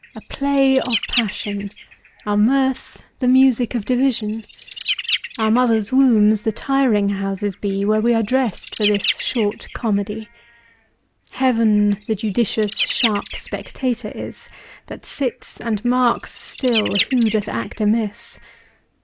A play of passion, Our mirth the music of division, Our mother's wombs the tiring houses be, Where we are dressed for this short comedy. Heaven the judicious sharp spectator is, That sits and marks still who doth act amiss.